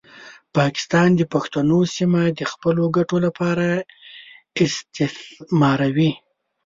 پاکستان د پښتنو سیمه د خپلو ګټو لپاره استثماروي.